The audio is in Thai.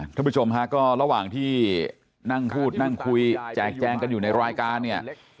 ท่านผู้ชมฮะก็ระหว่างที่นั่งพูดนั่งคุยแจกแจงกันอยู่ในรายการเนี่ย